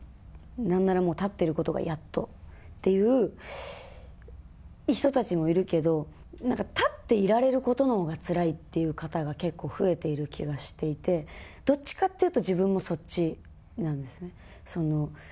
なんならもう立ってることがやっとっていう人たちもいるけど、なんか立っていられることのほうがつらいっていう方が結構増えている気がしていて、どっちかっていうと、自分もそっちなんですね。